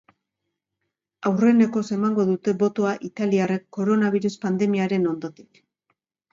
Aurrenekoz emango dute botoa italiarrek koronabirus pandemiaren ondotik.